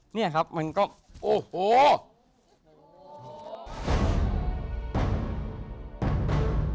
เนี่ยครับมันก็โอ้โห